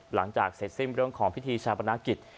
หลังจากเสร็จสิ้นเรื่องของพิธีชาปนกิจ